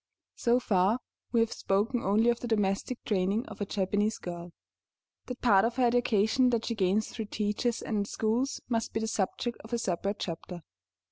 So far we have spoken only of the domestic training of a Japanese girl. That part of her education that she gains through teachers and schools must be the subject of a separate chapter.